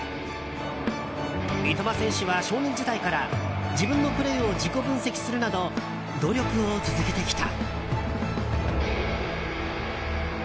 三笘選手は少年時代から自分のプレーを自己分析するなど努力を続けてきた。